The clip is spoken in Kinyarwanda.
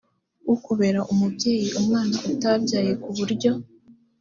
ukubera umubyeyi umwana utabyaye ku buryo